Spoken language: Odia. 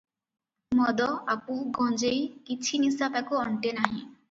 ମଦ, ଆପୁ, ଗଞ୍ଜେଇ କିଛି ନିଶା ତାକୁ ଅଣ୍ଟେ ନାହିଁ ।